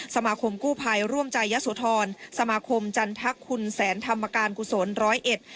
สมาคมกู้ภัยร่วมใจยะโสธรสมาคมจันทักคุณแสนธรรมการกุศลร้อยเอ็ด